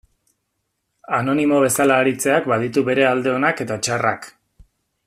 Anonimo bezala aritzeak baditu bere alde onak eta txarrak.